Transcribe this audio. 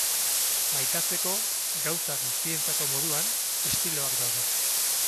Maitatzeko, gauza guztientzako moduan, estiloak daude.